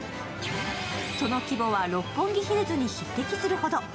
その規模は六本木ヒルズに匹敵するほど。